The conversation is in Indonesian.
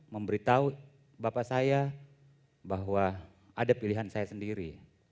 memberitahu bapak saya bahwa ada pilihan saya sendiri